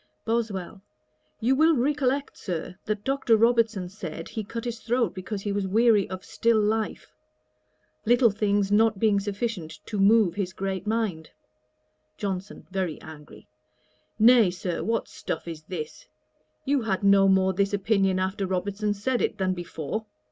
BOSWELL. 'You will recollect, Sir, that Dr. Robertson said, he cut his throat because he was weary of still life; little things not being sufficient to move his great mind.' JOHNSON, (very angry.) 'Nay, Sir, what stuff is this! You had no more this opinion after Robertson said it, than before.